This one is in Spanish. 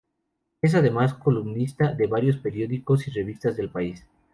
Es además columnista de varios periódicos y revistas del país.